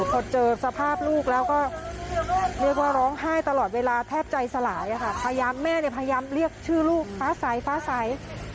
พอเจอสภาพลูกแล้วก็เรียกว่าร้องไห้ตลอดเวลาแทบใจสลายค่ะพยายามแม่เนี่ยพยายามเรียกชื่อลูกฟ้าใสฟ้าใส